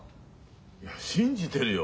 いや信じてるよ。